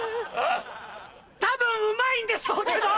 多分うまいんでしょうけど。